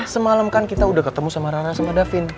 sekarang kita udah ketemu sama rara sama davin